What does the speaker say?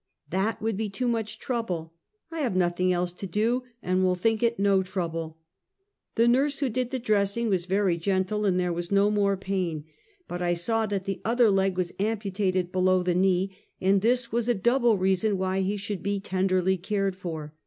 "That would be too much trouble!" " I have nothing else to do, and will think it no trouble!" The nurse, who did the dressing, was very gentle, and there was no more pain; but I saw that the other leg was amputated below the knee, and this was a double reason why he should be tenderly cared for.